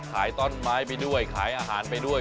ต้นไม้ไปด้วยขายอาหารไปด้วย